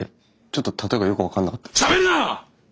ちょっと例えがよく分かんなかったです。